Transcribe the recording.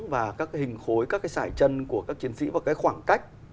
và các cái hình khối các cái sải chân của các chiến sĩ và cái khoảng cách